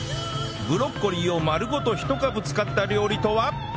ブロッコリーを丸ごと１株使った料理とは？